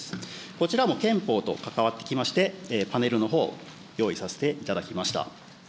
こちらも憲法と関わってきまして、パネルのほう、用意させていただきました。